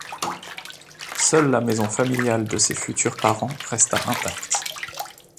Seule la maison familiale de ses futurs parents resta intacte.